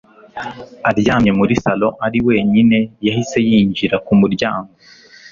aryamye muri salon ari wenyine yahise yinjira ku muryango